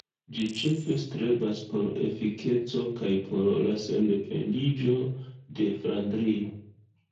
Ĝi ĉefe strebas por efikeco kaj por la sendependiĝo de Flandrio.